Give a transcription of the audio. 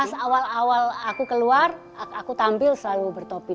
pas awal awal aku keluar aku tampil selalu bertopi